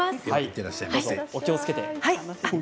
お気をつけて。